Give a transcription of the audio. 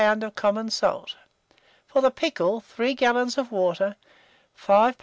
of common salt. For the pickle, 3 gallons of water, 5 lbs.